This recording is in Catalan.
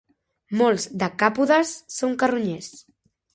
Molts decàpodes són carronyers.